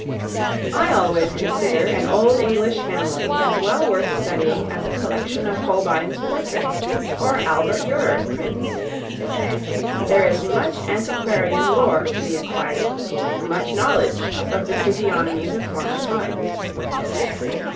I always consider an old English family as well worth studying as a collection of Holbein's portraits or Albert Durer's prints. There is much antiquarian lore to be acquired; much knowledge of the physiognomies of former times.